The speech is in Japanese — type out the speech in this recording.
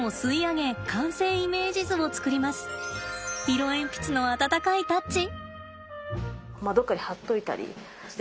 色鉛筆の温かいタッチ。